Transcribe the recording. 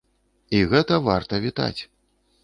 І гэта варта вітаць.